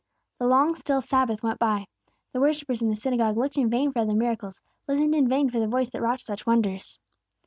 The long, still Sabbath went by. The worshippers in the synagogue looked in vain for other miracles, listened in vain for the Voice that wrought such wonders.